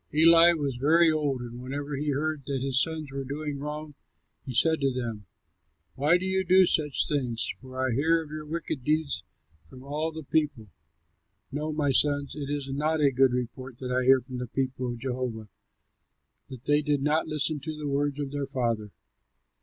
Eli was very old, and whenever he heard that his sons were doing wrong he said to them, "Why do you do such things, for I hear of your wicked deeds from all the people. No, my sons: it is not a good report that I hear from the people of Jehovah." But they did not listen to the words of their father.